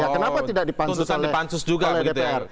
tuntutan dipansus juga begitu ya